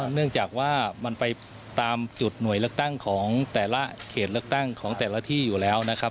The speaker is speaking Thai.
เนื่องจากว่ามันไปตามจุดหน่วยเลือกตั้งของแต่ละเขตเลือกตั้งของแต่ละที่อยู่แล้วนะครับ